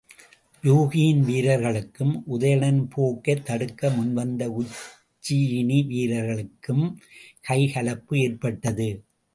யூகியின் வீரர்களுக்கும் உதயணன் போக்கைத் தடுக்க முன்வந்த உச்சியினி வீரர்களுக்கும் கைகலப்பு ஏற்பட்டது.